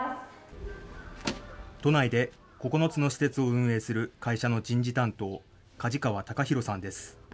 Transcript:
都内で９つの施設を運営する会社の人事担当、梶川隆裕さんです。